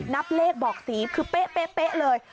นับเลขบอกสีคือเป๊ะเลย